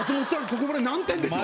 ここまで何点でしょう？